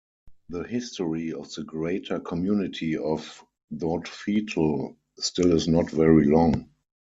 The history of the greater community of Dautphetal still is not very long.